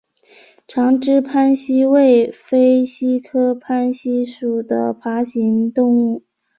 长肢攀蜥为飞蜥科攀蜥属的爬行动物。